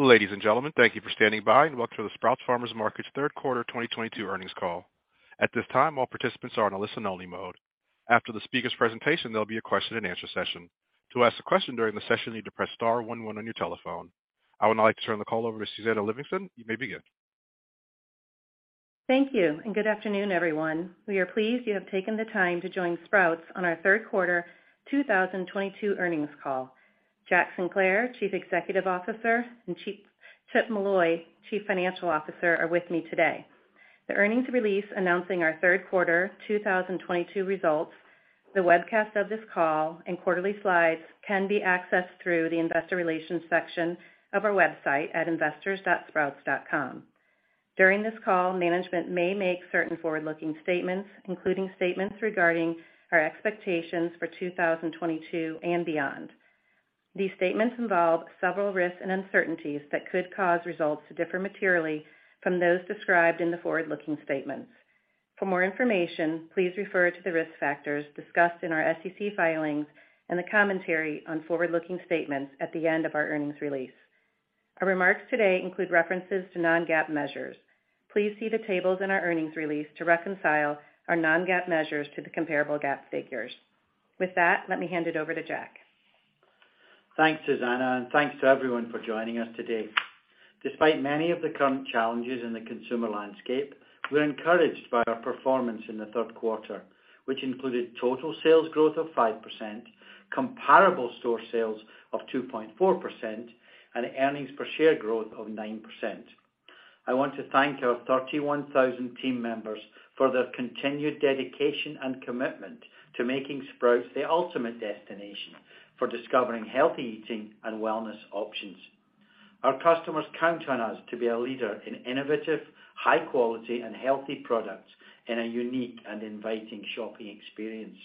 Ladies and gentlemen, thank you for standing by, and welcome to the Sprouts Farmers Market's Third Quarter 2022 Earnings Call. At this time, all participants are on a listen only mode. After the speaker's presentation, there'll be a question and answer session. To ask a question during the session, you need to press star one one on your telephone. I would now like to turn the call over to Susannah Livingston. You may begin. Thank you, and good afternoon, everyone. We are pleased you have taken the time to join Sprouts on our third quarter 2022 earnings call. Jack Sinclair, Chief Executive Officer, and Chip Molloy, Chief Financial Officer, are with me today. The earnings release announcing our third quarter 2022 results, the webcast of this call, and quarterly slides can be accessed through the investor relations section of our website at investors.sprouts.com. During this call, management may make certain forward-looking statements, including statements regarding our expectations for 2022 and beyond. These statements involve several risks and uncertainties that could cause results to differ materially from those described in the forward-looking statements. For more information, please refer to the risk factors discussed in our SEC filings and the commentary on forward-looking statements at the end of our earnings release. Our remarks today include references to non-GAAP measures. Please see the tables in our earnings release to reconcile our non-GAAP measures to the comparable GAAP figures. With that, let me hand it over to Jack. Thanks, Susannah, and thanks to everyone for joining us today. Despite many of the current challenges in the consumer landscape, we're encouraged by our performance in the third quarter, which included total sales growth of 5%, comparable store sales of 2.4%, and earnings per share growth of 9%. I want to thank our 31,000 team members for their continued dedication and commitment to making Sprouts the ultimate destination for discovering healthy eating and wellness options. Our customers count on us to be a leader in innovative, high-quality, and healthy products in a unique and inviting shopping experience.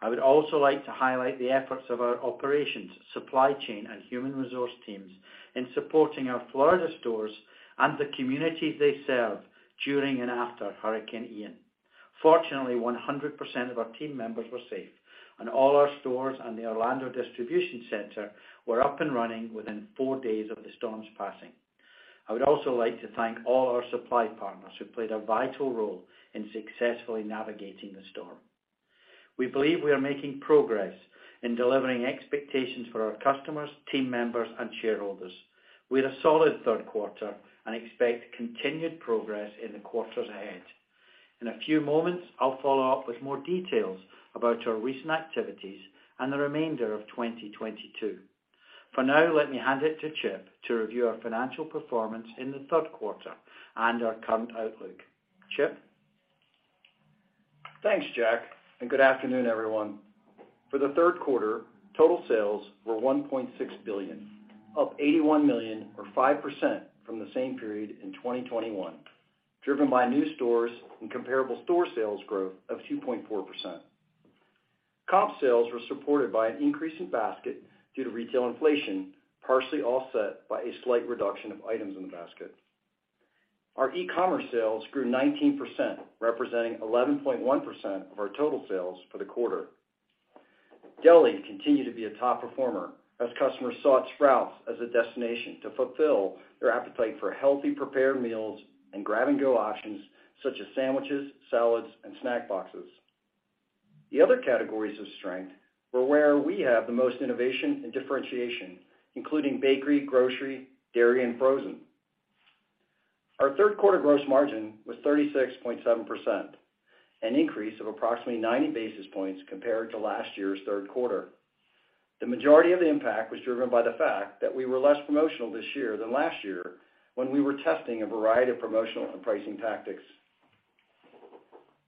I would also like to highlight the efforts of our operations, supply chain, and human resource teams in supporting our Florida stores and the communities they serve during and after Hurricane Ian. Fortunately, 100% of our team members were safe, and all our stores and the Orlando distribution center were up and running within four days of the storm's passing. I would also like to thank all our supply partners who played a vital role in successfully navigating the storm. We believe we are making progress in delivering expectations for our customers, team members, and shareholders. We had a solid third quarter and expect continued progress in the quarters ahead. In a few moments, I'll follow up with more details about our recent activities and the remainder of 2022. For now, let me hand it to Chip to review our financial performance in the third quarter and our current outlook. Chip? Thanks, Jack, and good afternoon, everyone. For the third quarter, total sales were $1.6 billion, up $81 million or 5% from the same period in 2021, driven by new stores and comparable store sales growth of 2.4%. Comp sales were supported by an increase in basket due to retail inflation, partially offset by a slight reduction of items in the basket. Our e-commerce sales grew 19%, representing 11.1% of our total sales for the quarter. Deli continued to be a top performer as customers sought Sprouts as a destination to fulfill their appetite for healthy prepared meals and grab-and-go options, such as sandwiches, salads, and snack boxes. The other categories of strength were where we have the most innovation and differentiation, including bakery, grocery, dairy, and frozen. Our third quarter gross margin was 36.7%, an increase of approximately 90 basis points compared to last year's third quarter. The majority of the impact was driven by the fact that we were less promotional this year than last year when we were testing a variety of promotional and pricing tactics.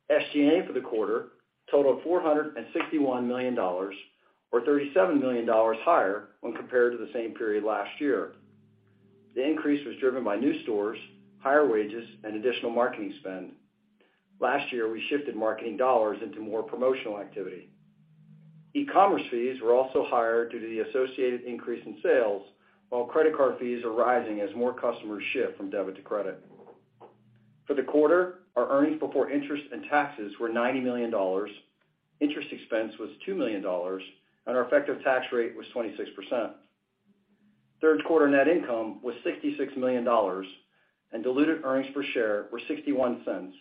SG&A for the quarter totaled $461 million or $37 million higher when compared to the same period last year. The increase was driven by new stores, higher wages, and additional marketing spend. Last year, we shifted marketing dollars into more promotional activity. E-commerce fees were also higher due to the associated increase in sales, while credit card fees are rising as more customers shift from debit to credit. For the quarter, our earnings before interest and taxes were $90 million. Interest expense was $2 million, and our effective tax rate was 26%. Third quarter net income was $66 million and diluted earnings per share were $0.61,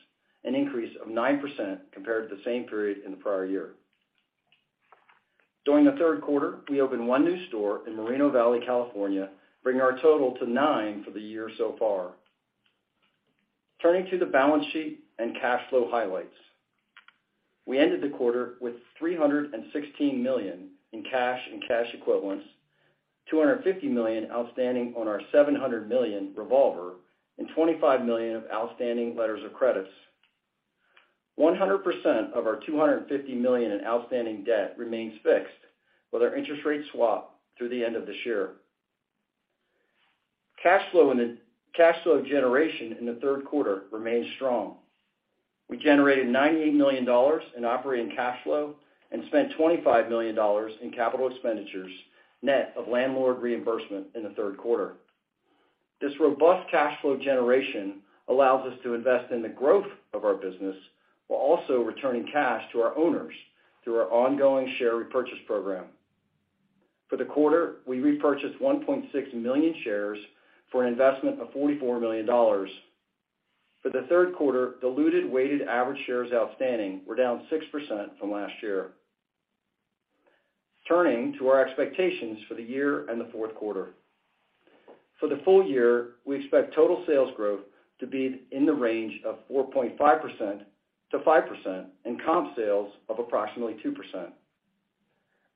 an increase of 9% compared to the same period in the prior year. During the third quarter, we opened one new store in Moreno Valley, California, bringing our total to nine for the year so far. Turning to the balance sheet and cash flow highlights. We ended the quarter with $316 million in cash and cash equivalents, $250 million outstanding on our $700 million revolver, and $25 million of outstanding letters of credit. 100% of our $250 million in outstanding debt remains fixed with our interest rate swap through the end of this year. Cash flow generation in the third quarter remained strong. We generated $98 million in operating cash flow and spent $25 million in capital expenditures net of landlord reimbursement in the third quarter. This robust cash flow generation allows us to invest in the growth of our business while also returning cash to our owners through our ongoing share repurchase program. For the quarter, we repurchased 1.6 million shares for an investment of $44 million. For the third quarter, diluted weighted average shares outstanding were down 6% from last year. Turning to our expectations for the year and the fourth quarter. For the full year, we expect total sales growth to be in the range of 4.5%-5% and comp sales of approximately 2%.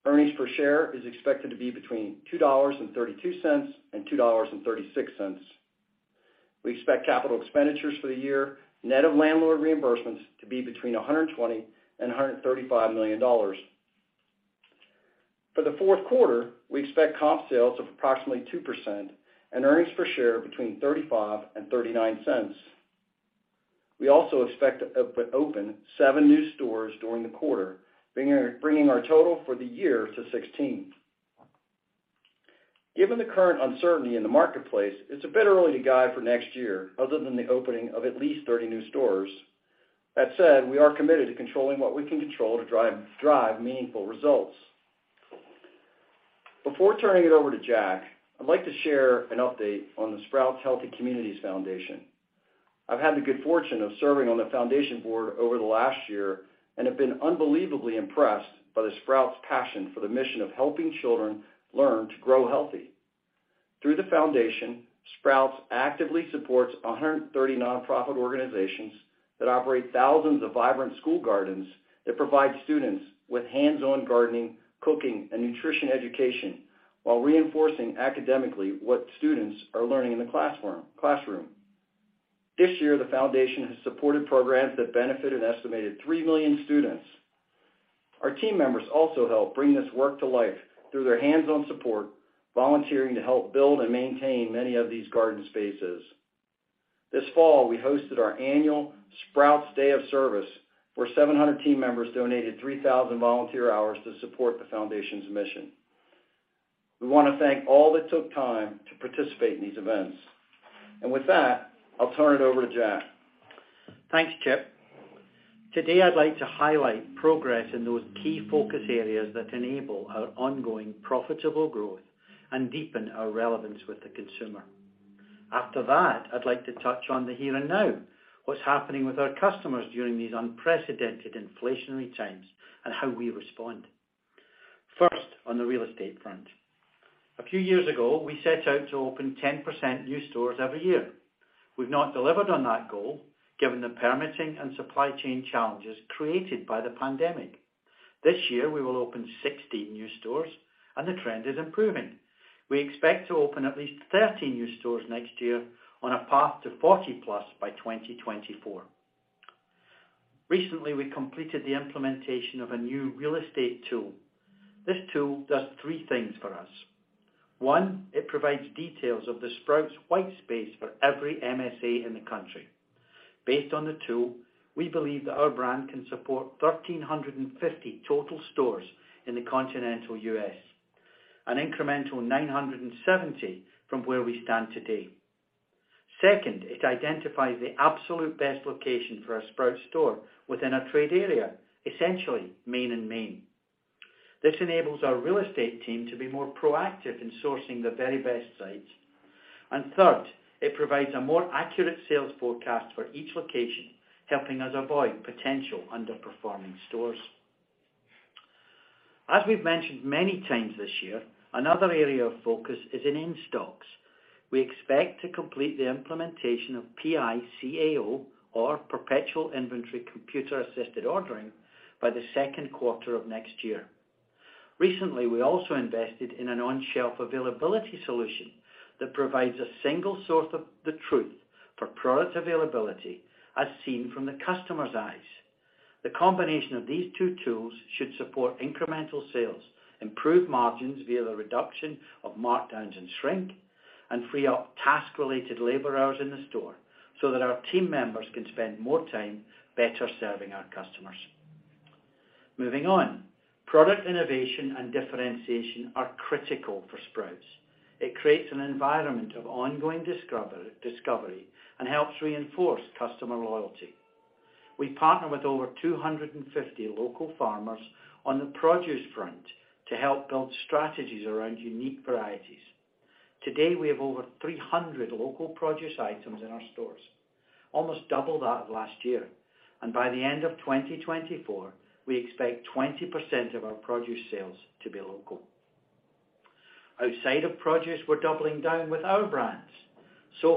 Earnings per share is expected to be between $2.32 and $2.36. We expect capital expenditures for the year, net of landlord reimbursements to be between $120 million and $135 million. For the fourth quarter, we expect comp sales of approximately 2% and earnings per share between $0.35 and $0.39. We also expect to open seven new stores during the quarter, bringing our total for the year to 16. Given the current uncertainty in the marketplace, it's a bit early to guide for next year other than the opening of at least 30 new stores. That said, we are committed to controlling what we can control to drive meaningful results. Before turning it over to Jack, I'd like to share an update on the Sprouts Healthy Communities Foundation. I've had the good fortune of serving on the foundation board over the last year and have been unbelievably impressed by the Sprouts passion for the mission of helping children learn to grow healthy. Through the foundation, Sprouts actively supports 130 nonprofit organizations that operate thousands of vibrant school gardens that provide students with hands-on gardening, cooking, and nutrition education while reinforcing academically what students are learning in the classroom. This year, the foundation has supported programs that benefit an estimated 3 million students. Our team members also help bring this work to life through their hands-on support, volunteering to help build and maintain many of these garden spaces. This fall, we hosted our annual Sprouts Day of Service, where 700 team members donated 3,000 volunteer hours to support the foundation's mission. We wanna thank all that took time to participate in these events. With that, I'll turn it over to Jack. Thanks, Chip. Today, I'd like to highlight progress in those key focus areas that enable our ongoing profitable growth and deepen our relevance with the consumer. After that, I'd like to touch on the here and now, what's happening with our customers during these unprecedented inflationary times and how we respond. First, on the real estate front. A few years ago, we set out to open 10% new stores every year. We've not delivered on that goal, given the permitting and supply chain challenges created by the pandemic. This year, we will open 16 new stores, and the trend is improving. We expect to open at least 30 new stores next year on a path to 40+ by 2024. Recently, we completed the implementation of a new real estate tool. This tool does three things for us. One, it provides details of the Sprouts' white space for every MSA in the country. Based on the tool, we believe that our brand can support 1,350 total stores in the continental U.S., an incremental 970 from where we stand today. Second, it identifies the absolute best location for a Sprouts store within a trade area, essentially main and main. This enables our real estate team to be more proactive in sourcing the very best sites. Third, it provides a more accurate sales forecast for each location, helping us avoid potential underperforming stores. As we've mentioned many times this year, another area of focus is in-stocks. We expect to complete the implementation of PICAO or Perpetual Inventory Computer-Assisted Ordering by the second quarter of next year. Recently, we also invested in an on-shelf availability solution that provides a single source of the truth for product availability as seen from the customer's eyes. The combination of these two tools should support incremental sales, improve margins via the reduction of markdowns and shrink, and free up task-related labor hours in the store so that our team members can spend more time better serving our customers. Moving on. Product innovation and differentiation are critical for Sprouts. It creates an environment of ongoing discovery and helps reinforce customer loyalty. We partner with over 250 local farmers on the produce front to help build strategies around unique varieties. Today, we have over 300 local produce items in our stores, almost double that of last year. By the end of 2024, we expect 20% of our produce sales to be local. Outside of produce, we're doubling down with our brands.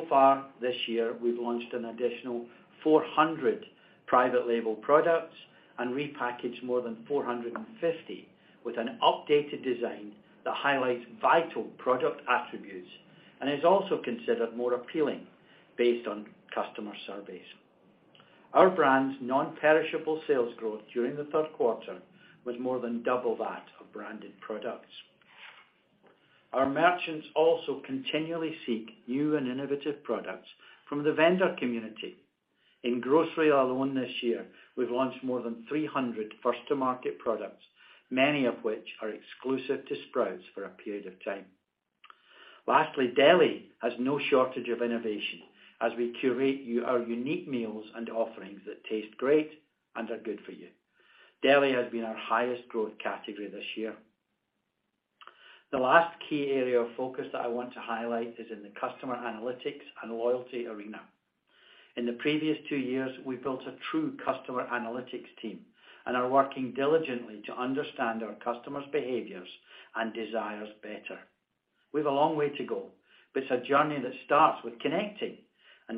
Far this year, we've launched an additional 400 private label products and repackaged more than 450 with an updated design that highlights vital product attributes and is also considered more appealing based on customer surveys. Our brand's non-perishable sales growth during the third quarter was more than double that of branded products. Our merchants also continually seek new and innovative products from the vendor community. In grocery alone this year, we've launched more than 300 first-to-market products, many of which are exclusive to Sprouts for a period of time. Lastly, deli has no shortage of innovation as we curate our unique meals and offerings that taste great and are good for you. Deli has been our highest growth category this year. The last key area of focus that I want to highlight is in the customer analytics and loyalty arena. In the previous two years, we've built a true customer analytics team and are working diligently to understand our customers' behaviors and desires better. We have a long way to go, but it's a journey that starts with connecting.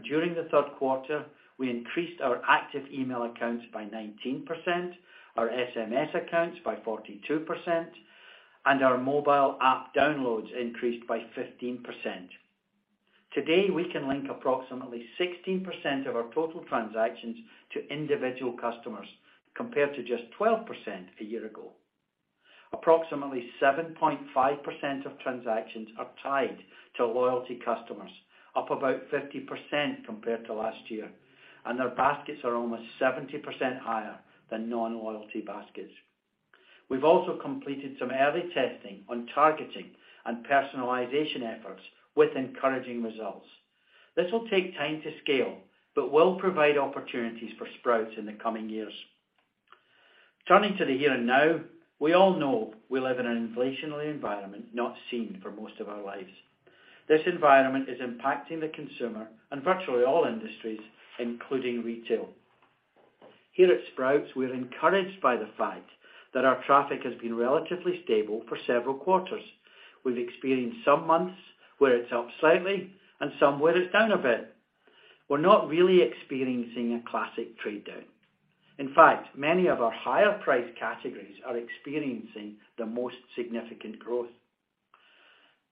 During the third quarter, we increased our active email accounts by 19%, our SMS accounts by 42%, and our mobile app downloads increased by 15%. Today, we can link approximately 16% of our total transactions to individual customers, compared to just 12% a year ago. Approximately 7.5% of transactions are tied to loyalty customers, up about 50% compared to last year, and their baskets are almost 70% higher than non-loyalty baskets. We've also completed some early testing on targeting and personalization efforts with encouraging results. This will take time to scale, but will provide opportunities for Sprouts in the coming years. Turning to the here and now, we all know we live in an inflationary environment not seen for most of our lives. This environment is impacting the consumer and virtually all industries, including retail. Here at Sprouts, we're encouraged by the fact that our traffic has been relatively stable for several quarters. We've experienced some months where it's up slightly and some where it's down a bit. We're not really experiencing a classic trade down. In fact, many of our higher priced categories are experiencing the most significant growth.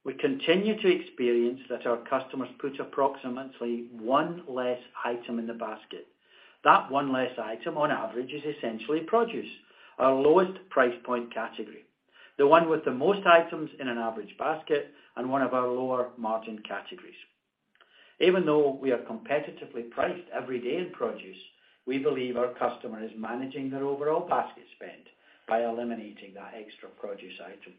We continue to experience that our customers put approximately one less item in the basket. That one less item, on average, is essentially produce, our lowest price point category, the one with the most items in an average basket and one of our lower margin categories. Even though we are competitively priced every day in produce, we believe our customer is managing their overall basket spend by eliminating that extra produce item.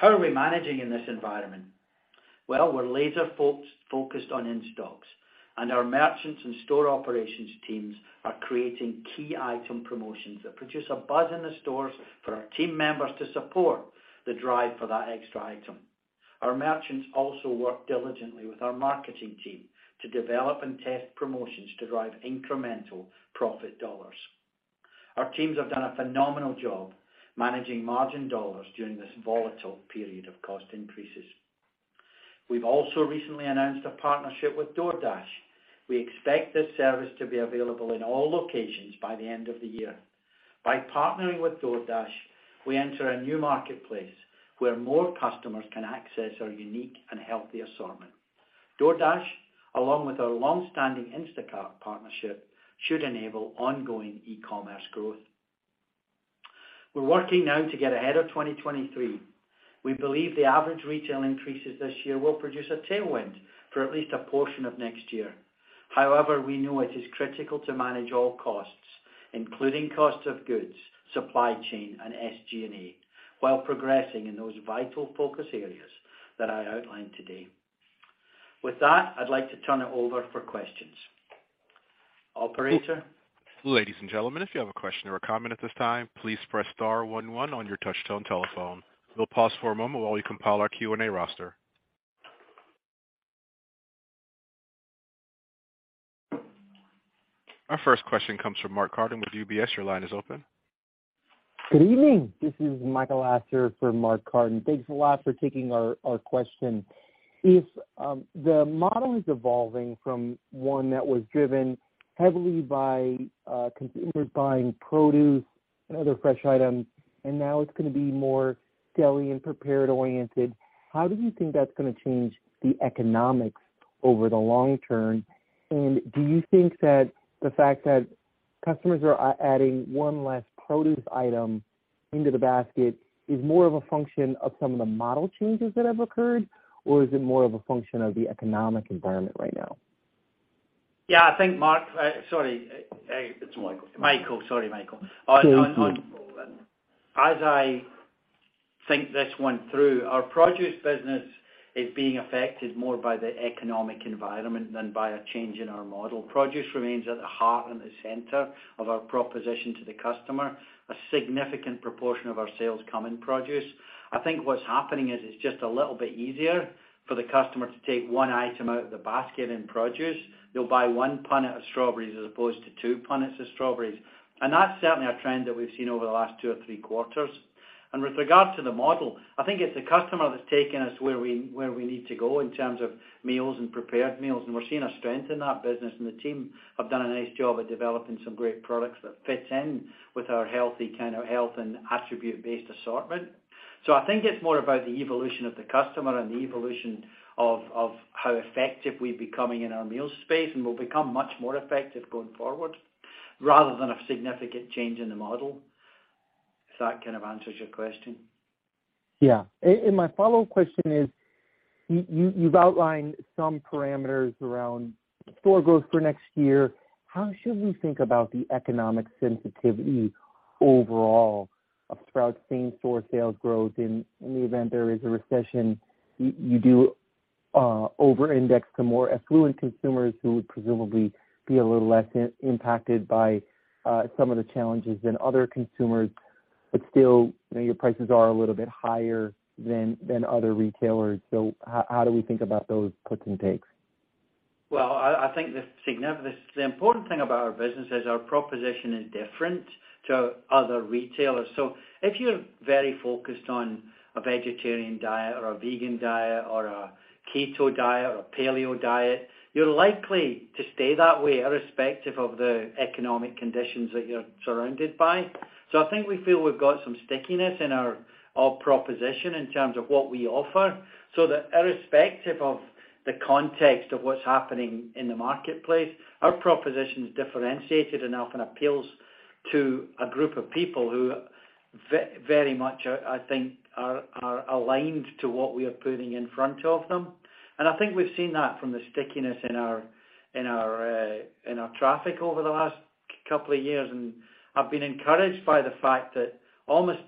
How are we managing in this environment? Well, we're laser focused on in-stocks, and our merchants and store operations teams are creating key item promotions that produce a buzz in the stores for our team members to support the drive for that extra item. Our merchants also work diligently with our marketing team to develop and test promotions to drive incremental profit dollars. Our teams have done a phenomenal job managing margin dollars during this volatile period of cost increases. We've also recently announced a partnership with DoorDash. We expect this service to be available in all locations by the end of the year. By partnering with DoorDash, we enter a new marketplace where more customers can access our unique and healthy assortment. DoorDash, along with our long-standing Instacart partnership, should enable ongoing e-commerce growth. We're working now to get ahead of 2023. We believe the average retail increases this year will produce a tailwind for at least a portion of next year. However, we know it is critical to manage all costs, including cost of goods, supply chain, and SG&A, while progressing in those vital focus areas that I outlined today. With that, I'd like to turn it over for questions. Operator? Ladies and gentlemen, if you have a question or a comment at this time, please press star one one on your touchtone telephone. We'll pause for a moment while we compile our Q&A roster. Our first question comes from Mark Carden with UBS. Your line is open. Good evening. This is Michael Lasser for Mark Carden. Thanks a lot for taking our question. If the model is evolving from one that was driven heavily by consumers buying produce and other fresh items, and now it's gonna be more deli and prepared oriented, how do you think that's gonna change the economics over the long term? Do you think that the fact that customers are adding one less produce item into the basket is more of a function of some of the model changes that have occurred, or is it more of a function of the economic environment right now? Yeah, I think Mark, sorry, It's Michael. Sorry, Michael. Thank you. As I think this one through, our produce business is being affected more by the economic environment than by a change in our model. Produce remains at the heart and the center of our proposition to the customer. A significant proportion of our sales come in produce. I think what's happening is it's just a little bit easier for the customer to take one item out of the basket in produce. They'll buy one punnet of strawberries as opposed to two punnets of strawberries. That's certainly a trend that we've seen over the last two or three quarters. With regard to the model, I think it's the customer that's taking us where we need to go in terms of meals and prepared meals, and we're seeing a strength in that business, and the team have done a nice job at developing some great products that fits in with our healthy kind of health and attribute-based assortment. I think it's more about the evolution of the customer and the evolution of how effective we've becoming in our meals space, and we'll become much more effective going forward rather than a significant change in the model. If that kind of answers your question. Yeah. My follow-up question is, you've outlined some parameters around store growth for next year. How should we think about the economic sensitivity overall of Sprouts same store sales growth in the event there is a recession? You do over-index to more affluent consumers who would presumably be a little less impacted by some of the challenges than other consumers. Still, you know, your prices are a little bit higher than other retailers. How do we think about those puts and takes? I think the important thing about our business is our proposition is different to other retailers. If you're very focused on a vegetarian diet or a vegan diet or a keto diet or a paleo diet, you're likely to stay that way irrespective of the economic conditions that you're surrounded by. I think we feel we've got some stickiness in our proposition in terms of what we offer, so that irrespective of the context of what's happening in the marketplace, our proposition is differentiated enough and appeals to a group of people who very much are, I think, aligned to what we are putting in front of them. I think we've seen that from the stickiness in our traffic over the last couple of years. I've been encouraged by the fact that almost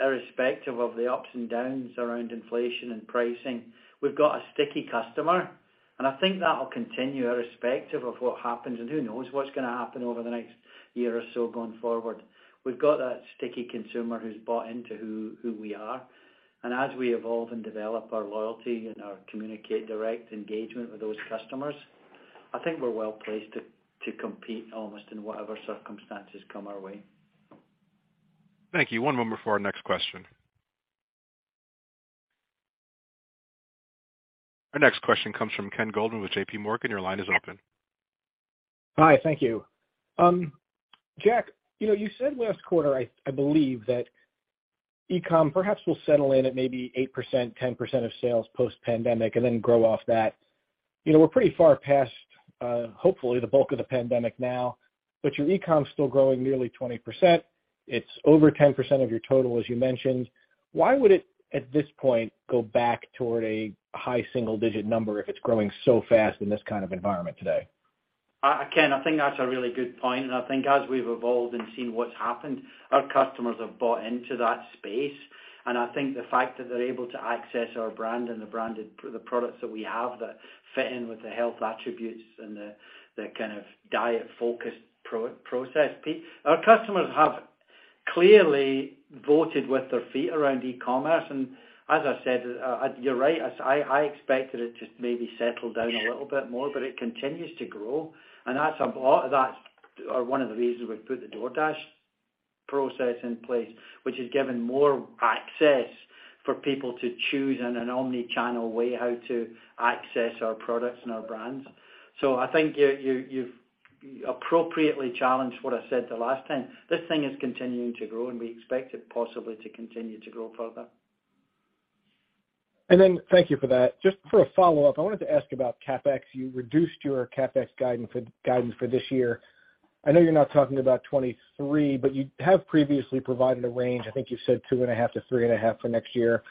irrespective of the ups and downs around inflation and pricing, we've got a sticky customer, and I think that'll continue irrespective of what happens. Who knows what's gonna happen over the next year or so going forward. We've got that sticky consumer who's bought into who we are. As we evolve and develop our loyalty and our communication direct engagement with those customers, I think we're well-placed to compete almost in whatever circumstances come our way. Thank you. One moment for our next question. Our next question comes from Ken Goldman with JPMorgan. Your line is open. Hi. Thank you. Jack, you know, you said last quarter, I believe, that e-com perhaps will settle in at maybe 8%-10% of sales post-pandemic and then grow off that. You know, we're pretty far past, hopefully the bulk of the pandemic now, but your e-com's still growing nearly 20%. It's over 10% of your total, as you mentioned. Why would it, at this point, go back toward a high single digit number if it's growing so fast in this kind of environment today? Ken, I think that's a really good point. I think as we've evolved and seen what's happened, our customers have bought into that space. I think the fact that they're able to access our brand and the branded products that we have that fit in with the health attributes and the kind of diet-focused process piece. Our customers have clearly voted with their feet around e-commerce, and as I said, you're right. I expected it to maybe settle down a little bit more, but it continues to grow. That's one of the reasons we've put the DoorDash process in place, which has given more access for people to choose in an omni-channel way how to access our products and our brands. I think you've appropriately challenged what I said the last time. This thing is continuing to grow, and we expect it possibly to continue to grow further. Thank you for that. Just for a follow-up, I wanted to ask about CapEx. You reduced your CapEx guidance for this year. I know you're not talking about 2023, but you have previously provided a range. I think you said 2.5% to 3.5% For next year.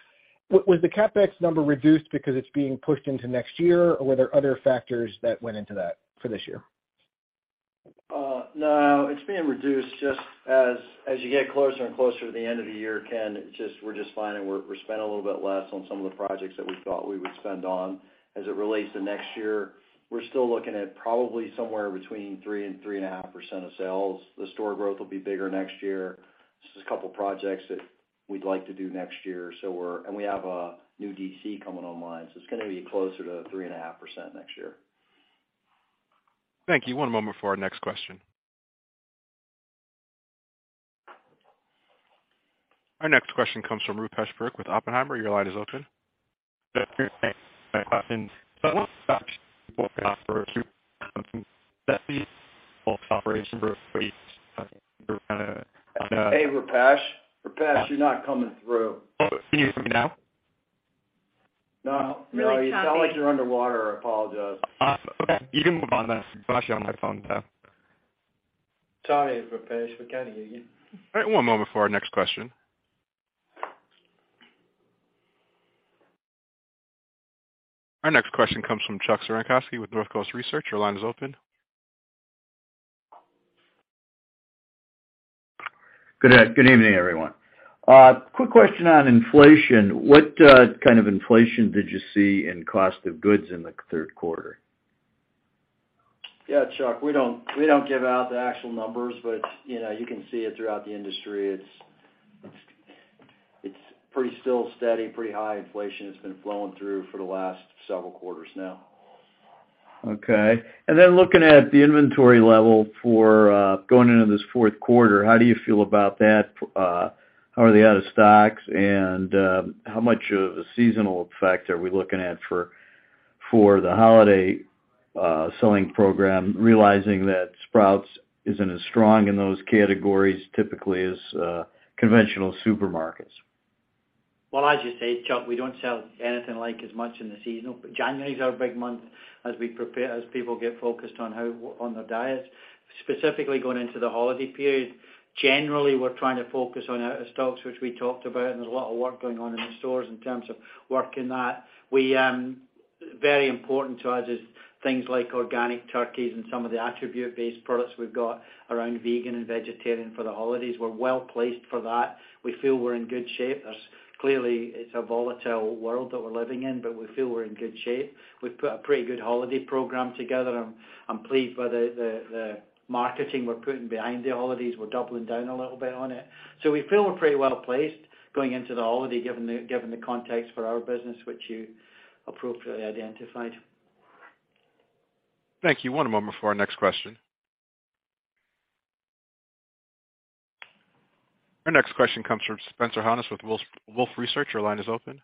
Was the CapEx number reduced because it's being pushed into next year, or were there other factors that went into that for this year? No, it's being reduced just as you get closer and closer to the end of the year, Ken. It's just we're just finding we're spending a little bit less on some of the projects that we thought we would spend on. As it relates to next year, we're still looking at probably somewhere between 3% and 3.5% of sales. The store growth will be bigger next year. Just a couple of projects that we'd like to do next year. We have a new DC coming online, so it's gonna be closer to 3.5% next year. Thank you. One moment for our next question. Our next question comes from Rupesh Parikh with Oppenheimer. Your line is open. Hey, Rupesh. Rupesh, you're not coming through. Can you hear me now? No, you sound like you're underwater. I apologize. Okay. You can move on. I'll just call you on my phone now. Sorry, Rupesh. We can't hear you. All right, one moment for our next question. Our next question comes from Chuck Cerankosky with Northcoast Research. Your line is open. Good evening, everyone. Quick question on inflation. What kind of inflation did you see in cost of goods in the third quarter? Yeah, Chuck, we don't give out the actual numbers, but you know, you can see it throughout the industry. It's pretty still steady, pretty high inflation that's been flowing through for the last several quarters now. Okay. Looking at the inventory level for going into this fourth quarter, how do you feel about that? How are they out of stocks? How much of a seasonal effect are we looking at for the holiday selling program, realizing that Sprouts isn't as strong in those categories typically as conventional supermarkets? Well, as you say, Chuck, we don't sell anything like as much in the seasonal, but January is our big month as people get focused on their diets, specifically going into the holiday period. Generally, we're trying to focus on out-of-stocks, which we talked about, and there's a lot of work going on in the stores in terms of working that. We very important to us is things like organic turkeys and some of the attribute-based products we've got around vegan and vegetarian for the holidays. We're well-placed for that. We feel we're in good shape. Clearly, it's a volatile world that we're living in, but we feel we're in good shape. We've put a pretty good holiday program together. I'm pleased by the marketing we're putting behind the holidays. We're doubling down a little bit on it. We feel we're pretty well-placed going into the holiday, given the context for our business, which you appropriately identified. Thank you. One moment for our next question. Our next question comes from Spencer Hanus with Wolfe Research. Your line is open.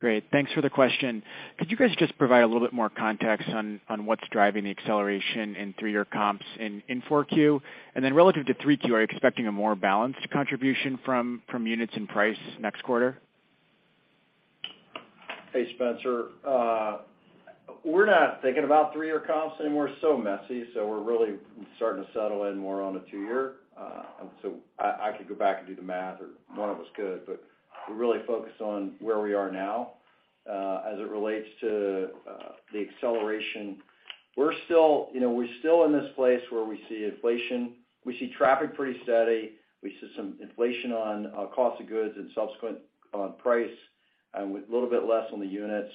Great. Thanks for the question. Could you guys just provide a little bit more context on what's driving the acceleration in three-year comps in four Q? And then relative to three Q, are you expecting a more balanced contribution from units and price next quarter? Hey, Spencer. We're not thinking about three-year comps anymore, so messy. We're really starting to settle in more on a two-year. I could go back and do the math or one of us could, but we're really focused on where we are now. As it relates to the acceleration, we're still, you know, we're still in this place where we see inflation. We see traffic pretty steady. We see some inflation on cost of goods and subsequently on price and with a little bit less on the units.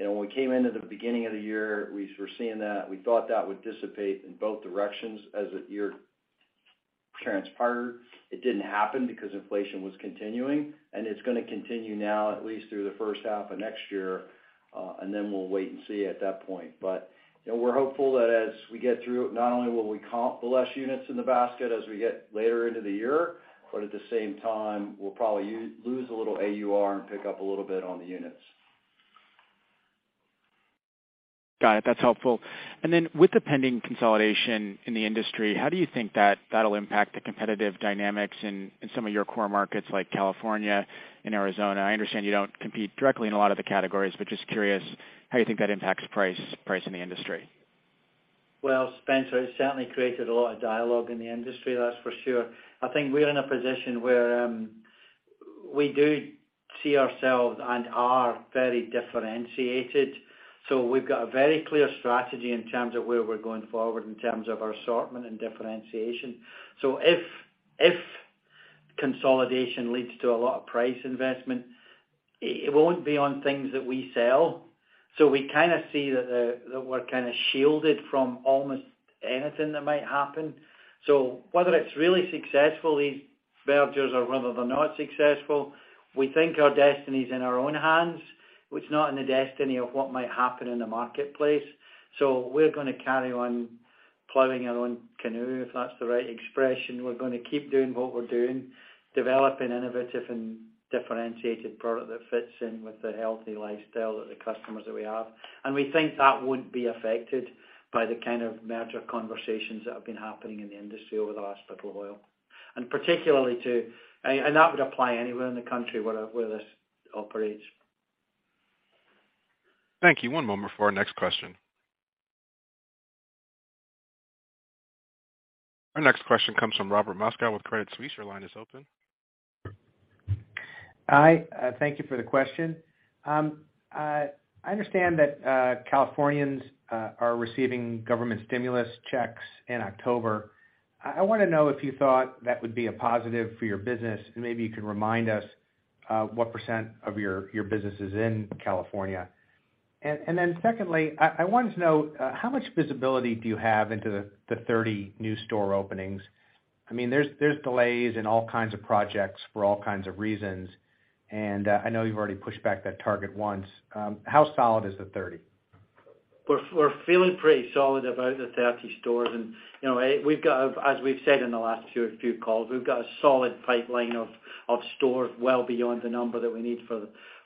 You know, when we came into the beginning of the year, we were seeing that. We thought that would dissipate in both directions as the year transpired. It didn't happen because inflation was continuing, and it's gonna continue now at least through the first half of next year, and then we'll wait and see at that point. You know, we're hopeful that as we get through, not only will we comp the less units in the basket as we get later into the year, but at the same time, we'll probably lose a little AUR and pick up a little bit on the units. Got it. That's helpful. With the pending consolidation in the industry, how do you think that that'll impact the competitive dynamics in some of your core markets like California and Arizona? I understand you don't compete directly in a lot of the categories, but just curious how you think that impacts price in the industry. Well, Spencer, it's certainly created a lot of dialogue in the industry, that's for sure. I think we're in a position where we do see ourselves and are very differentiated. We've got a very clear strategy in terms of where we're going forward in terms of our assortment and differentiation. If consolidation leads to a lot of price investment, it won't be on things that we sell. We kinda see that we're kinda shielded from almost anything that might happen. Whether it's really successful, these mergers, or whether they're not successful, we think our destiny's in our own hands. It's not in the destiny of what might happen in the marketplace. We're gonna carry on plowing our own canoe, if that's the right expression. We're gonna keep doing what we're doing, developing innovative and differentiated product that fits in with the healthy lifestyle of the customers that we have. We think that wouldn't be affected by the kind of merger conversations that have been happening in the industry over the last little while. That would apply anywhere in the country where this operates. Thank you. One moment for our next question. Our next question comes from Robert Moskow with Credit Suisse. Your line is open. Hi, thank you for the question. I understand that Californians are receiving government stimulus checks in October. I wanna know if you thought that would be a positive for your business. Maybe you could remind us what % of your business is in California. Then secondly, I wanted to know how much visibility do you have into the 30 new store openings. I mean, there are delays in all kinds of projects for all kinds of reasons. I know you've already pushed back that target once. How solid is the 30? We're feeling pretty solid about the 30 stores. You know, as we've said in the last few calls, we've got a solid pipeline of stores well beyond the number that we need for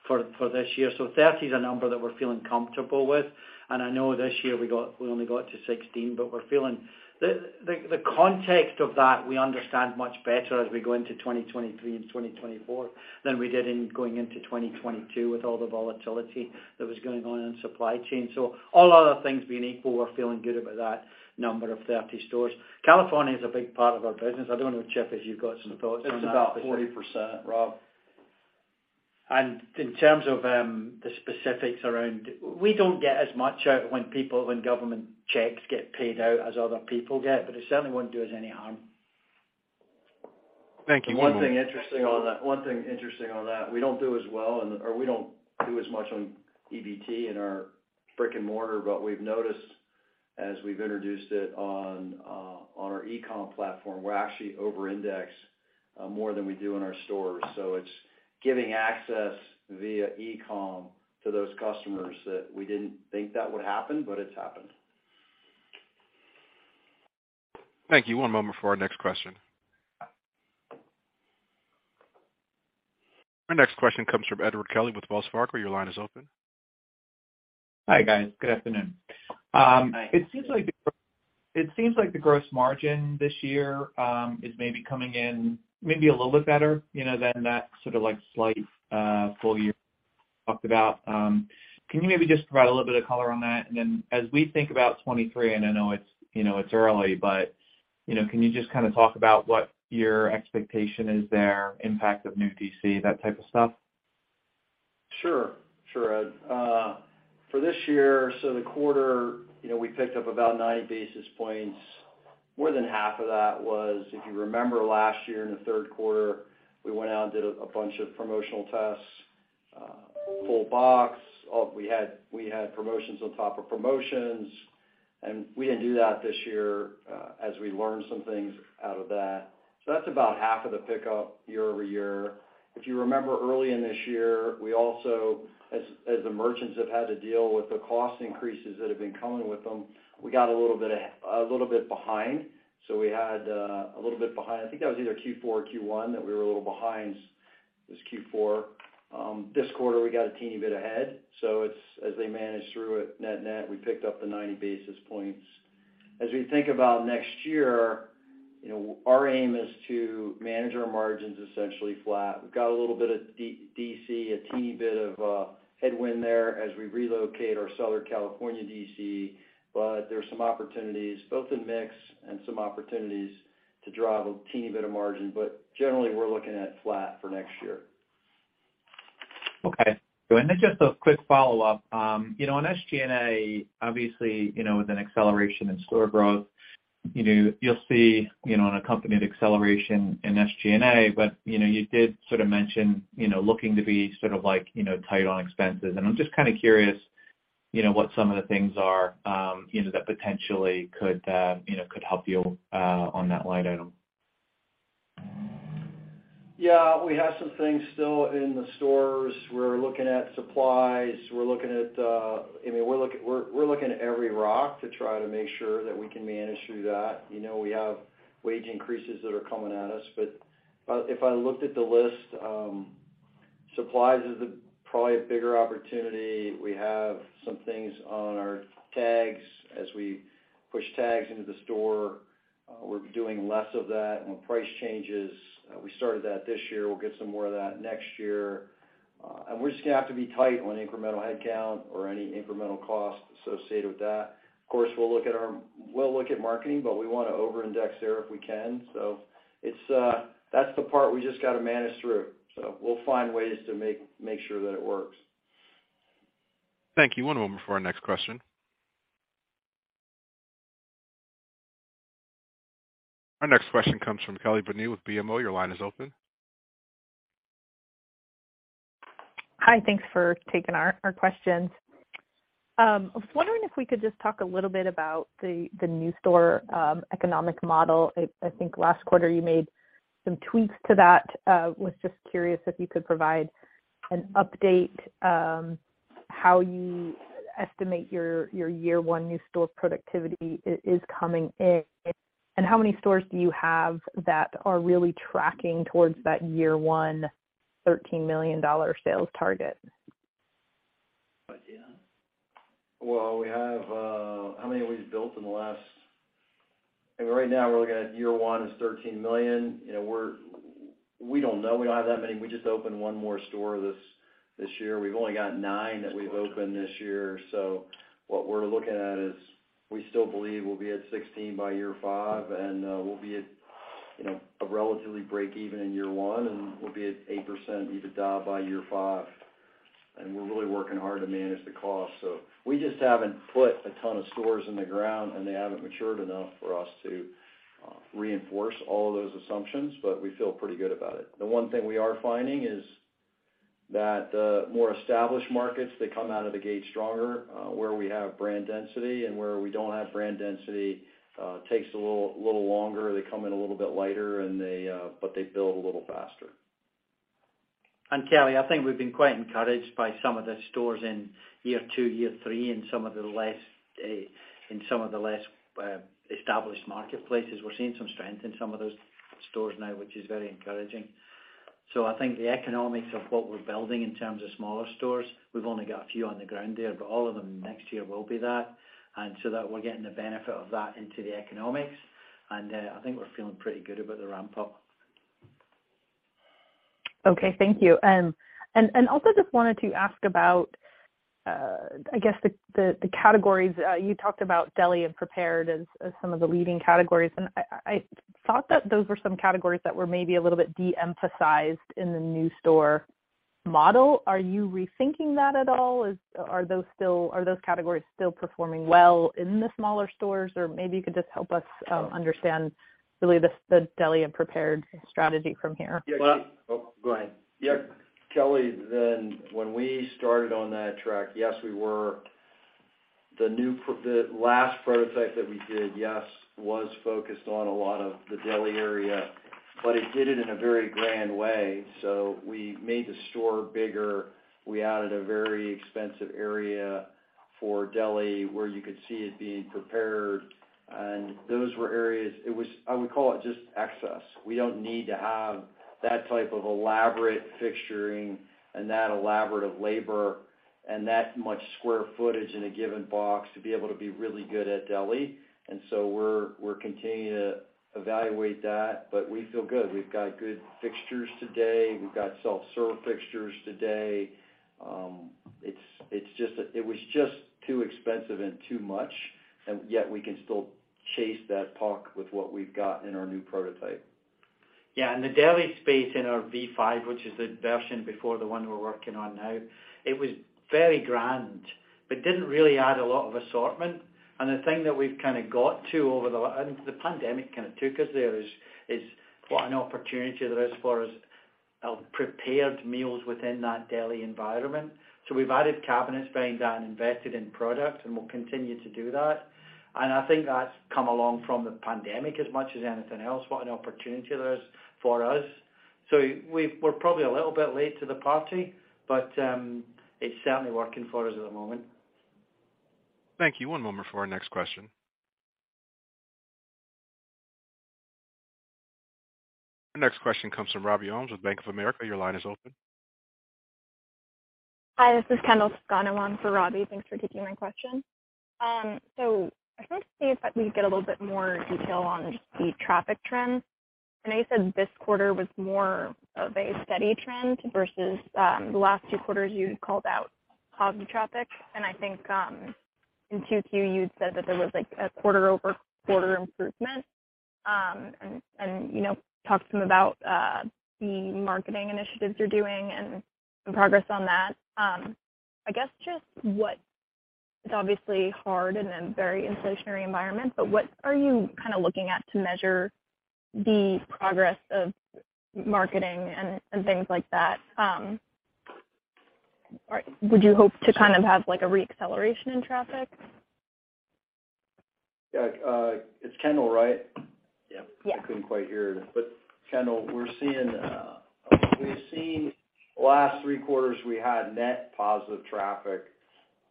this year. 30 is a number that we're feeling comfortable with. I know this year we only got to 16, but the context of that we understand much better as we go into 2023 and 2024 than we did in going into 2022 with all the volatility that was going on in supply chain. All other things being equal, we're feeling good about that number of 30 stores. California is a big part of our business. I don't know, Chip, if you've got some thoughts on that. It's about 40%, Rob. We don't get as much out when government checks get paid out as other people get, but it certainly won't do us any harm. Thank you. One thing interesting on that, we don't do as much on EBT in our brick-and-mortar, but we've noticed as we've introduced it on our e-com platform, we're actually over index more than we do in our stores. It's giving access via e-com to those customers that we didn't think that would happen, but it's happened. Thank you. One moment for our next question. Our next question comes from Edward Kelly with Wells Fargo. Your line is open. Hi, guys. Good afternoon. Hi. It seems like the gross margin this year is maybe coming in a little bit better, you know, than that sort of like slight full year talked about. Can you maybe just provide a little bit of color on that? Then as we think about 2023, and I know it's, you know, it's early, but, you know, can you just kinda talk about what your expectation is there, impact of new DC, that type of stuff? Sure. Sure, Ed. For this year, so the quarter, you know, we picked up about 90 basis points. More than half of that was, if you remember last year in the third quarter, we went out and did a bunch of promotional tests, full box. We had promotions on top of promotions, and we didn't do that this year, as we learned some things out of that. That's about half of the pickup year-over-year. If you remember early in this year, we also as the merchants have had to deal with the cost increases that have been coming with them, we got a little bit behind. We had a little bit behind. I think that was either Q4 or Q1 that we were a little behind. It was Q4. This quarter, we got a teeny bit ahead. As they manage through it net-net, we picked up the 90 basis points. As we think about next year, you know, our aim is to manage our margins essentially flat. We've got a little bit of DC, a teeny bit of headwind there as we relocate our Southern California DC. There are some opportunities both in mix and some opportunities to drive a teeny bit of margin. Generally, we're looking at flat for next year. Okay. Just a quick follow-up. You know, on SG&A, obviously, you know, with an acceleration in store growth, you know, you'll see, you know, an accompanied acceleration in SG&A. You know, you did sort of mention, you know, looking to be sort of like, you know, tight on expenses. I'm just kinda curious, you know, what some of the things are, you know, that potentially could, you know, could help you, on that line item. Yeah. We have some things still in the stores. We're looking at supplies. I mean, we're looking at every rock to try to make sure that we can manage through that. You know, we have wage increases that are coming at us. If I looked at the list, supplies is a probably a bigger opportunity. We have some things on our tags. As we push tags into the store, we're doing less of that. When price changes, we started that this year. We'll get some more of that next year. We're just gonna have to be tight on incremental headcount or any incremental costs associated with that. Of course, we'll look at marketing, but we wanna over-index there if we can. It's, that's the part we just gotta manage through. We'll find ways to make sure that it works. Thank you. One moment for our next question. Our next question comes from Kelly Bania with BMO. Your line is open. Hi. Thanks for taking our questions. I was wondering if we could just talk a little bit about the new store economic model. I think last quarter you made some tweaks to that. Was just curious if you could provide an update, how you estimate your year one new store productivity is coming in, and how many stores do you have that are really tracking towards that year one $13 million sales target? Well, right now we're looking at year one is $13 million. You know, we don't know. We don't have that many. We just opened one more store this year. We've only got nine that we've opened this year. What we're looking at is we still believe we'll be at 16 by year five, and we'll be at, you know, a relatively breakeven in year one, and we'll be at 8% EBITDA by year five. We're really working hard to manage the cost. We just haven't put a ton of stores in the ground, and they haven't matured enough for us to reinforce all of those assumptions, but we feel pretty good about it. The one thing we are finding is that more established markets, they come out of the gate stronger where we have brand density. Where we don't have brand density takes a little longer. They come in a little bit lighter, and they, but they build a little faster. Kelly, I think we've been quite encouraged by some of the stores in year two, year three in some of the less established marketplaces. We're seeing some strength in some of those stores now, which is very encouraging. I think the economics of what we're building in terms of smaller stores, we've only got a few on the ground there, but all of them next year will be that. I think we're feeling pretty good about the ramp up. Okay. Thank you. And also just wanted to ask about, I guess the categories. You talked about deli and prepared as some of the leading categories. I thought that those were some categories that were maybe a little bit de-emphasized in the new store model. Are you rethinking that at all? Are those categories still performing well in the smaller stores? Or maybe you could just help us understand really the deli and prepared strategy from here. Yeah. Well. Oh, go ahead. Yeah. Kelly, when we started on that track, yes, we were the last prototype that we did, yes, was focused on a lot of the deli area, but it did it in a very grand way. We made the store bigger. We added a very expensive area for deli where you could see it being prepared, and those were areas, it was, I would call it just excess. We don't need to have that type of elaborate fixturing and that elaborate of labor. That much square footage in a given box to be able to be really good at deli. We're continuing to evaluate that, but we feel good. We've got good fixtures today, we've got self-serve fixtures today. It was just too expensive and too much, and yet we can still chase that puck with what we've got in our new prototype. Yeah. The deli space in our V5, which is the version before the one we're working on now, it was very grand, but didn't really add a lot of assortment. The thing that we've kind of got to and the pandemic kind of took us there, is what an opportunity there is for us of prepared meals within that deli environment. We've added cabinets behind that and invested in products, and we'll continue to do that. I think that's come along from the pandemic as much as anything else, what an opportunity there is for us. We're probably a little bit late to the party, but it's certainly working for us at the moment. Thank you. One moment for our next question. Our next question comes from Robbie Ohmes with Bank of America. Your line is open. Hi, this is Kendall Toscano on for Robbie. Thanks for taking my question. So to start if I could get a little bit more detail on the traffic trends. And you said this quarter was more of a steady trend versus the last two quarters, you called out hogging traffic. And I think in Q2, you said that there was like a quarter-over-quarter improvement and talk some about the marketing initiatives you're doing and some progress on that. I guess just what's obviously hard in a very inflationary environment. But what are you kind of looking at to measure the progress of marketing and things like that? Would you hope to kind of have like a reacceleration in traffic? Yes. It's Kendall, right? I couldn't quite hear. Kendall, we're seeing, we've seen last three quarters, we had net positive traffic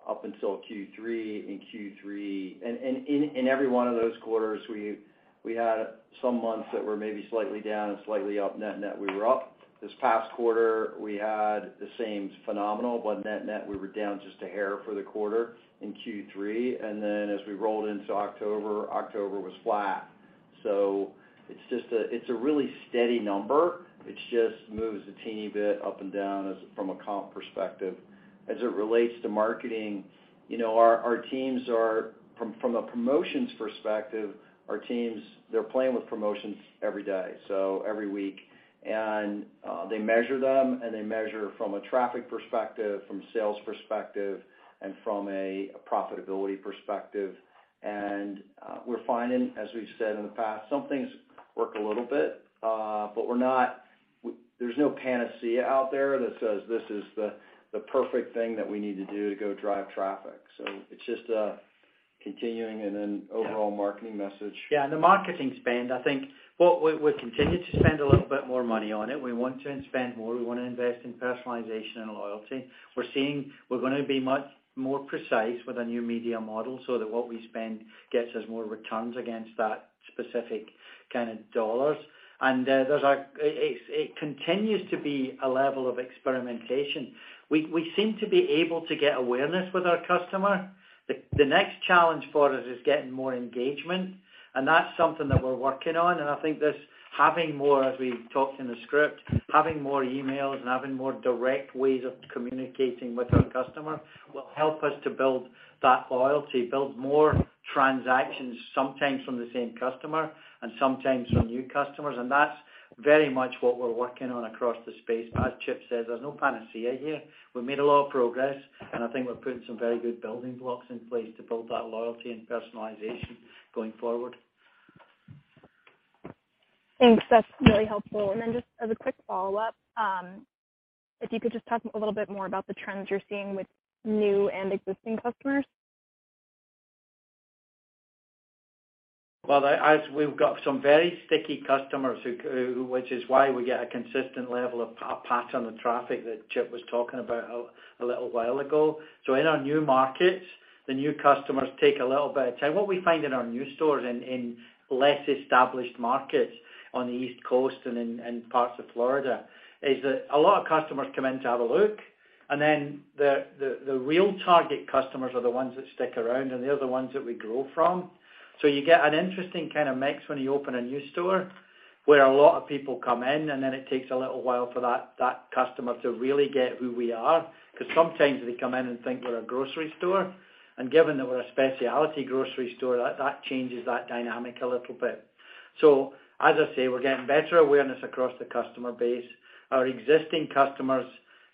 up until Q3, in Q3. In every one of those quarters, we had some months that were maybe slightly down and slightly up. Net net, we were up. This past quarter, we had the same phenomenon, but net net, we were down just a hair for the quarter in Q3. As we rolled into October was flat. It's just a it's a really steady number. It just moves a teeny bit up and down as from a comp perspective. As it relates to marketing, you know, our teams are from a promotions perspective, our teams, they're playing with promotions every day, so every week. They measure them, and they measure from a traffic perspective, from a sales perspective, and from a profitability perspective. We're finding, as we've said in the past, some things work a little bit, but we're not. There's no panacea out there that says, this is the perfect thing that we need to do to go drive traffic. It's just a continuing and an overall marketing message. Yeah, the marketing spend, I think what we continue to spend a little bit more money on it. We want to spend more, we wanna invest in personalization and loyalty. We're seeing we're gonna be much more precise with our new media model so that what we spend gets us more returns against that specific kind of dollars. It continues to be a level of experimentation. We seem to be able to get awareness with our customer. The next challenge for us is getting more engagement, and that's something that we're working on. I think this having more, as we talked in the script, having more emails and having more direct ways of communicating with our customer will help us to build that loyalty, build more transactions, sometimes from the same customer and sometimes from new customers. That's very much what we're working on across the space. As Chip says, there's no panacea here. We've made a lot of progress, and I think we're putting some very good building blocks in place to build that loyalty and personalization going forward. Thanks. That's really helpful. Just as a quick follow-up, if you could just talk a little bit more about the trends you're seeing with new and existing customers. Well, as we've got some very sticky customers which is why we get a consistent level of pattern of traffic that Chip was talking about a little while ago. In our new markets, the new customers take a little bit of time. What we find in our new stores in less established markets on the East Coast and in parts of Florida, is that a lot of customers come in to have a look. Then the real target customers are the ones that stick around, and they're the ones that we grow from. You get an interesting kind of mix when you open a new store where a lot of people come in, and then it takes a little while for that customer to really get who we are. Because sometimes they come in and think we're a grocery store, and given that we're a specialty grocery store, that changes that dynamic a little bit. As I say, we're getting better awareness across the customer base. Our existing customers,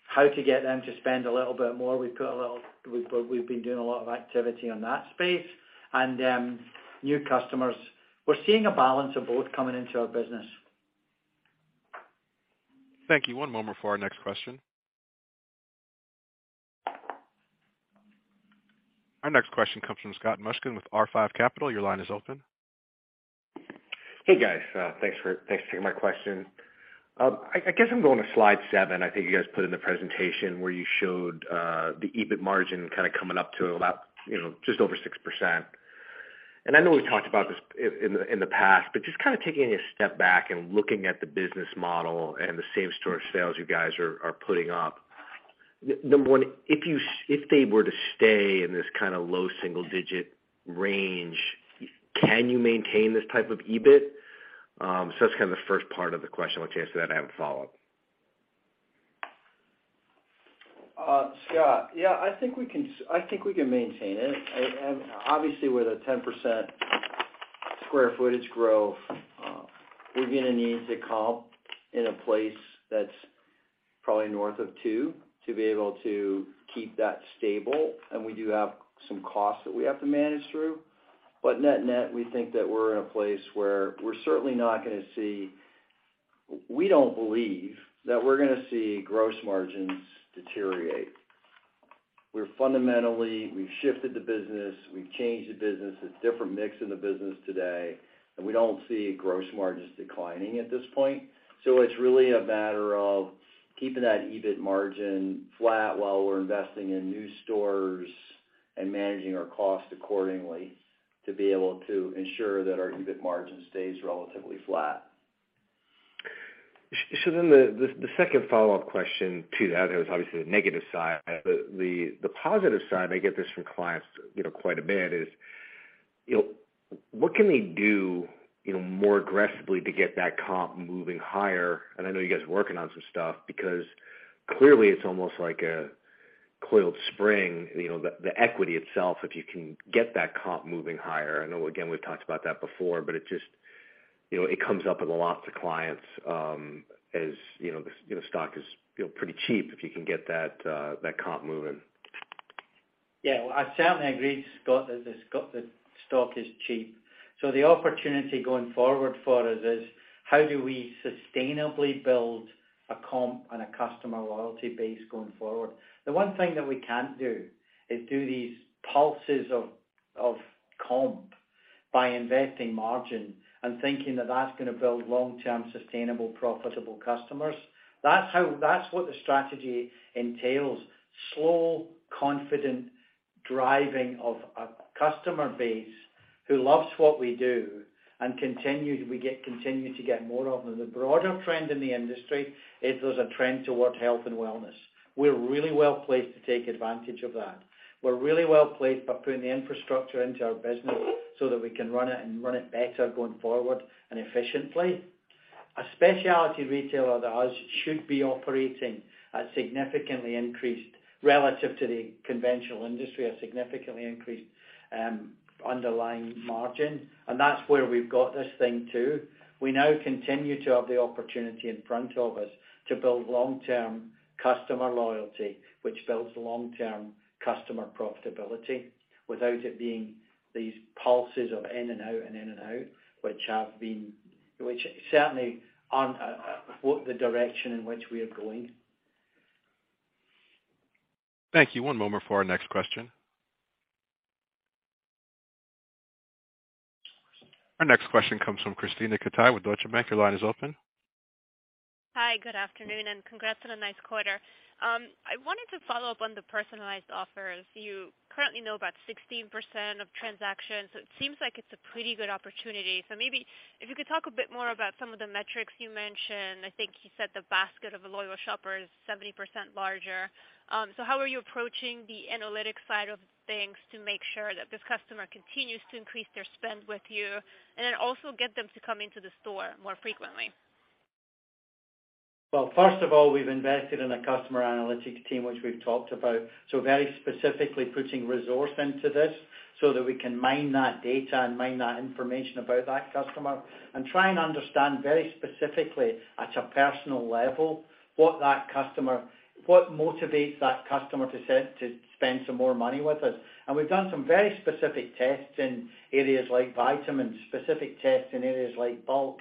how to get them to spend a little bit more, we've been doing a lot of activity on that space and new customers. We're seeing a balance of both coming into our business. Thank you. One moment for our next question. Our next question comes from Scott Mushkin with R5 Capital. Your line is open. Hey, guys. Thanks for taking my question. I guess I'm going to slide seven. I think you guys put in the presentation where you showed the EBIT margin kind of coming up to about, you know, just over 6%. I know we've talked about this in the past, but just kind of taking a step back and looking at the business model and the same-store sales you guys are putting up. Number one, if they were to stay in this kind of low single digit range, can you maintain this type of EBIT? So that's kind of the first part of the question. Once you answer that, I have a follow-up. Scott, yeah, I think we can maintain it. Obviously, with a 10% square footage growth, we're gonna need to comp in a place that's probably north of 2% to be able to keep that stable. We do have some costs that we have to manage through. Net-net, we think that we're in a place where we're certainly not gonna see gross margins deteriorate. We've shifted the business, we've changed the business. It's different mix in the business today, and we don't see gross margins declining at this point. It's really a matter of keeping that EBIT margin flat while we're investing in new stores and managing our costs accordingly to be able to ensure that our EBIT margin stays relatively flat. The second follow-up question to that, there was obviously the negative side. The positive side, I get this from clients, you know, quite a bit, is, you know, what can they do, you know, more aggressively to get that comp moving higher? I know you guys are working on some stuff because clearly it's almost like a coiled spring, you know, the equity itself, if you can get that comp moving higher. I know, again, we've talked about that before, but it just, you know, it comes up with a lot of clients, as, you know, the stock is, you know, pretty cheap if you can get that comp moving. Yeah. Well, I certainly agree, Scott, that the stock is cheap. The opportunity going forward for us is how do we sustainably build a comp and a customer loyalty base going forward? The one thing that we can't do is do these pulses of comp by investing margin and thinking that that's gonna build long-term sustainable, profitable customers. That's what the strategy entails. Slow, confident driving of a customer base who loves what we do and continue to get more of them. The broader trend in the industry is there's a trend towards health and wellness. We're really well-placed to take advantage of that. We're really well-placed by putting the infrastructure into our business so that we can run it and run it better going forward and efficiently. A specialty retailer like us should be operating at a significantly increased underlying margin relative to the conventional industry, and that's where we've got this thing too. We now continue to have the opportunity in front of us to build long-term customer loyalty, which builds long-term customer profitability without it being these pulses of in and out and in and out, which certainly aren't what the direction in which we are going. Thank you. One moment for our next question. Our next question comes from Krisztina Katai with Deutsche Bank. Your line is open. Hi. Good afternoon, and congrats on a nice quarter. I wanted to follow up on the personalized offers. You currently know about 16% of transactions, so it seems like it's a pretty good opportunity. Maybe if you could talk a bit more about some of the metrics you mentioned. I think you said the basket of a loyal shopper is 70% larger. How are you approaching the analytics side of things to make sure that this customer continues to increase their spend with you and then also get them to come into the store more frequently? Well, first of all, we've invested in a customer analytics team, which we've talked about. Very specifically putting resource into this so that we can mine that data and mine that information about that customer and try and understand very specifically at a personal level what motivates that customer to spend some more money with us. We've done some very specific tests in areas like vitamins, specific tests in areas like bulk,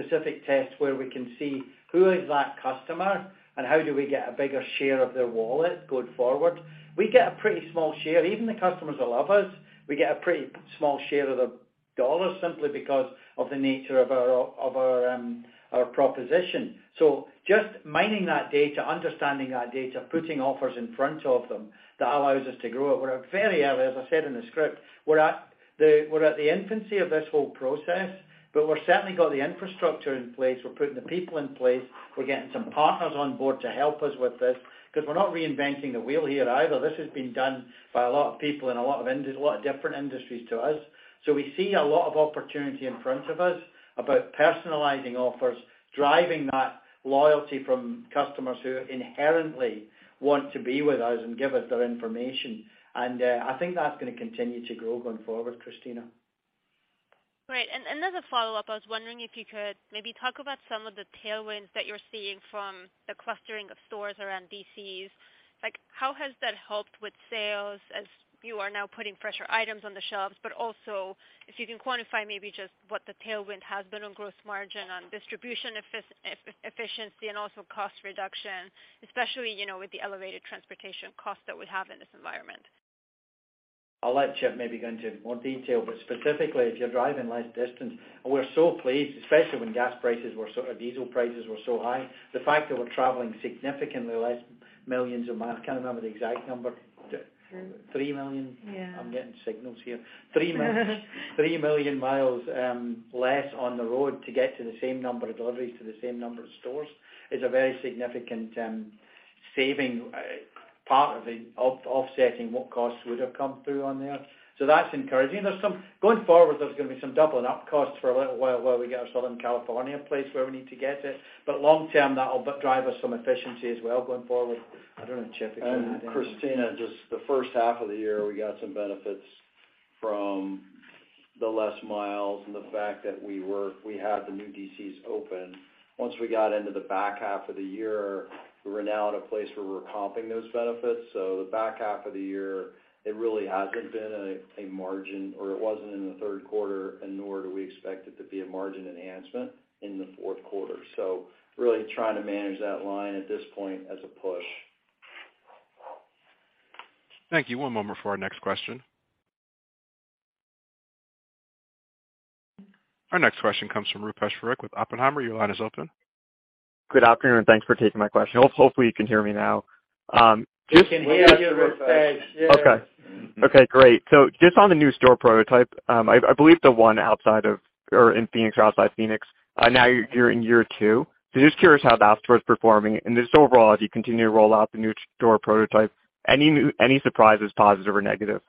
specific tests where we can see who is that customer and how do we get a bigger share of their wallet going forward. We get a pretty small share. Even the customers that love us, we get a pretty small share of the dollar simply because of the nature of our proposition. Just mining that data, understanding that data, putting offers in front of them, that allows us to grow it. We're very early, as I said in the script. We're at the infancy of this whole process, but we've certainly got the infrastructure in place. We're putting the people in place. We're getting some partners on board to help us with this because we're not reinventing the wheel here either. This has been done by a lot of people in a lot of different industries to us. We see a lot of opportunity in front of us about personalizing offers, driving that loyalty from customers who inherently want to be with us and give us their information. I think that's gonna continue to grow going forward, Krisztina. Great. As a follow-up, I was wondering if you could maybe talk about some of the tailwinds that you're seeing from the clustering of stores around DCs. Like, how has that helped with sales as you are now putting fresher items on the shelves, but also if you can quantify maybe just what the tailwind has been on gross margin on distribution efficiency and also cost reduction, especially, you know, with the elevated transportation costs that we have in this environment. I'll let Chip maybe go into more detail, but specifically, if you're driving less distance, and we're so pleased, especially when gas prices or diesel prices were so high. The fact that we're traveling significantly less. I can't remember the exact number. 3 million? Yeah. I'm getting signals here. 3 million miles less on the road to get to the same number of deliveries to the same number of stores is a very significant saving, part of the offsetting what costs would have come through on there. That's encouraging. Going forward, there's gonna be some doubling up costs for a little while we get our Southern California place where we need to get to. Long term, that'll drive us some efficiency as well going forward. I don't know if Chip can add anything. Krisztina, just the first half of the year, we got some benefits from the less miles and the fact that we had the new DCs open. Once we got into the back half of the year, we were now at a place where we were comping those benefits. The back half of the year, it really hasn't been a margin, or it wasn't in the third quarter, and nor do we expect it to be a margin enhancement in the fourth quarter. Really trying to manage that line at this point as a push. Thank you. One moment for our next question. Our next question comes from Rupesh Parikh with Oppenheimer. Your line is open. Good afternoon, and thanks for taking my question. Hopefully, you can hear me now. We can hear you, Rupesh. Yeah. Okay, great. Just on the new store prototype, I believe the one outside of or in Phoenix, now you're in year two. Just curious how that store is performing. Just overall, as you continue to roll out the new store prototype, any surprises, positive or negative?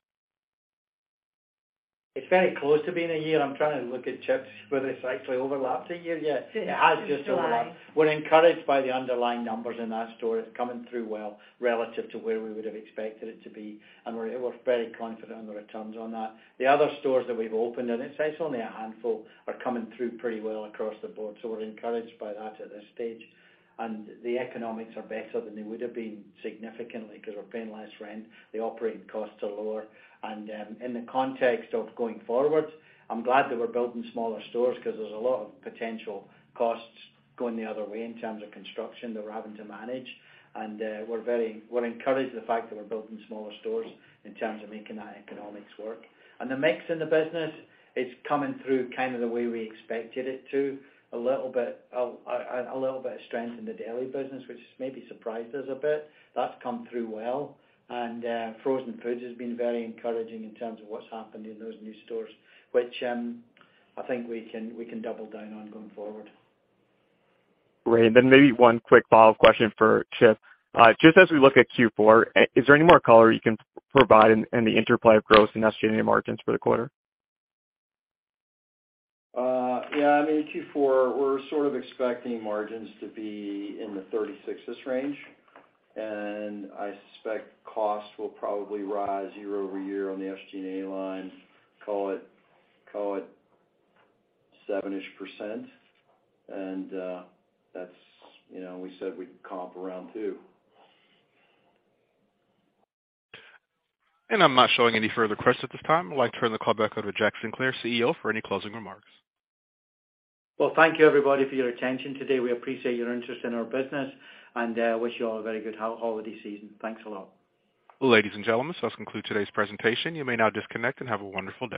It's very close to being a year. I'm trying to look at Chip's whether it's actually overlapped a year yet. It has just overlapped. We're encouraged by the underlying numbers in that store. It's coming through well relative to where we would have expected it to be, and we're very confident on the returns on that. The other stores that we've opened, and it's only a handful, are coming through pretty well across the board. We're encouraged by that at this stage. The economics are better than they would have been significantly because we're paying less rent, the operating costs are lower. In the context of going forward, I'm glad that we're building smaller stores because there's a lot of potential costs going the other way in terms of construction that we're having to manage. We're very encouraged by the fact that we're building smaller stores in terms of making that economics work. The mix in the business is coming through kind of the way we expected it to. A little bit of strength in the deli business, which has maybe surprised us a bit. That's come through well. Frozen foods has been very encouraging in terms of what's happened in those new stores, which I think we can double down on going forward. Great. Then maybe one quick follow-up question for Chip. Just as we look at Q4, is there any more color you can provide in the interplay of growth in SG&A margins for the quarter? Yeah, I mean, in Q4, we're sort of expecting margins to be in the 36-ish range, and I suspect costs will probably rise year-over-year on the SG&A line, call it 7-ish%. That's, you know, we said we'd comp around 2%. I'm not showing any further questions at this time. I'd like to turn the call back over to Jack Sinclair, CEO, for any closing remarks. Well, thank you, everybody, for your attention today. We appreciate your interest in our business, and wish you all a very good holiday season. Thanks a lot. Ladies and gentlemen, this does conclude today's presentation. You may now disconnect and have a wonderful day.